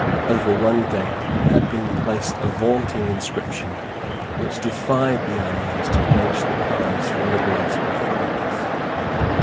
Over one gate had been placed a vaunting inscription which defied the allies to wrench the prize from the grasp of France.